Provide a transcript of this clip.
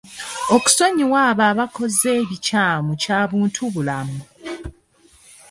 Okusonyiwa abo abakkoze ebikyamu kya buntubulamu.